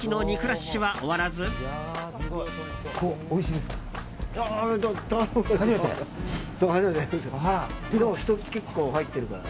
でも人、結構入っているかな。